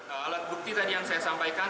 alat bukti tadi yang saya sampaikan